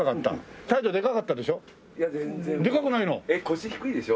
腰低いでしょ？